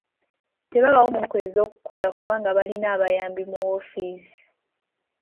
Tebabaawo mu nnaku ez'okukola kubanga balina abayambi mu woofiisi.